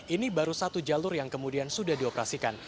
ini baru satu jalur yang kemudian sudah dioperasikan